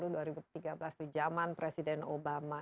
di zaman presiden obama